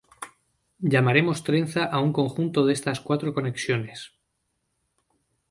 Llamaremos trenza a un conjunto de estas cuatro conexiones.